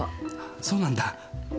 そうなんだ。